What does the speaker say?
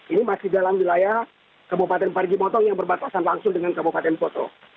ini masih dalam wilayah kabupaten parigimotong yang berbatasan langsung dengan kabupaten foto